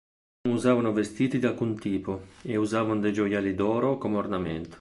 Non usavano vestiti di alcun tipo, e usavano dei gioielli d'oro come ornamento.